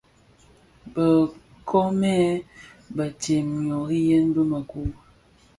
Bë nkoomèn bëntsem nnoriyèn bi mëku.